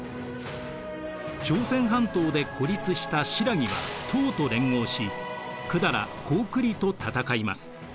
朝鮮半島で孤立した新羅は唐と連合し百済高句麗と戦います。